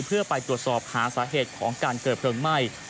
เพื่อไปตรวจสอบหาสาเหตุของการเกิดเพลิงไหม้